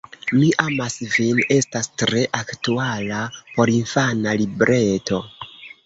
Mi amas vin estas tre aktuala porinfana libreto.